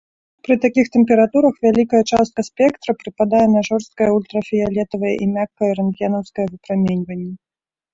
Пры такіх тэмпературах вялікая частка спектра прыпадае на жорсткае ультрафіялетавае і мяккае рэнтгенаўскае выпраменьванне.